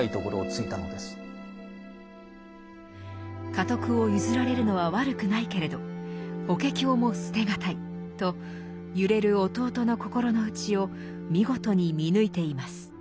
家督を譲られるのは悪くないけれど「法華経」も捨て難いと揺れる弟の心の内を見事に見抜いています。